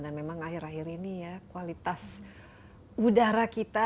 dan memang akhir akhir ini ya kualitas udara kita